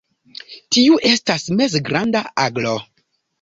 Tiu estas mezgranda aglo.